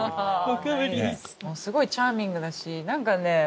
すごいチャーミングだしなんかね。